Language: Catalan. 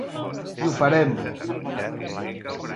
I ho farem.